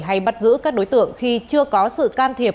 hay bắt giữ các đối tượng khi chưa có sự can thiệp